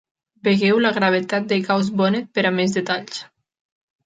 Vegeu la gravetat de Gauss-Bonnet per a més detalls.